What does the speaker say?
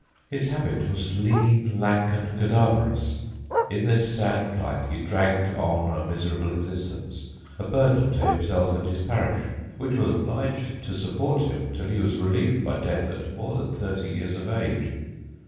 His habit was lean, lank, and cadaverous. In this sad plight he dragged on a miserable existence, a burden to himself and his parish, which was obliged to support him till he was relieved by death at more than thirty years of age.